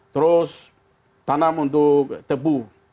terus tanam untuk tebu